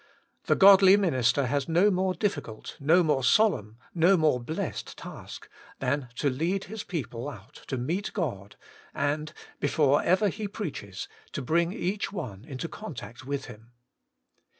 The godly minister has no more difficult, no more solemn, no more blessed task, than to lead his people out to meet God, and, before ever he preaches, to bring each 0XL8 into contact with Him.